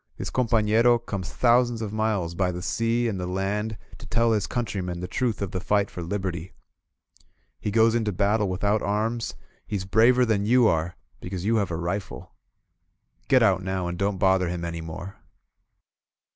This companero comes thou sands of miles by the sea and the land to tell his coun trymen the truth of the fight for Liberty. He goes into battle without arms, he's braver than you are, be cause you have a rifle. Get out now, and don't bother him any more!"